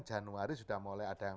januari sudah mulai ada yang